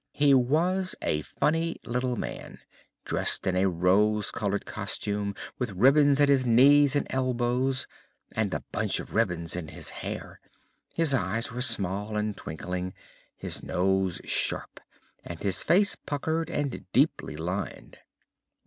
He was a funny little man, dressed in a rose colored costume, with ribbons at his knees and elbows, and a bunch of ribbons in his hair. His eyes were small and twinkling, his nose sharp and his face puckered and deeply lined.